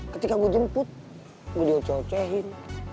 ketika gue jemput gue diococehin